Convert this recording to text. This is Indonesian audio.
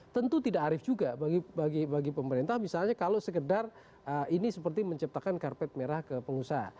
tentu tidak arif juga bagi pemerintah misalnya kalau sekedar ini seperti menciptakan karpet merah ke pengusaha